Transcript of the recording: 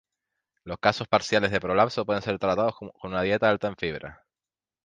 Los casos parciales de prolapso pueden ser tratados con una dieta alta en fibra.